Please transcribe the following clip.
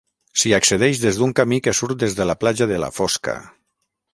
S'hi accedeix des d'un camí que surt des de la platja de la Fosca.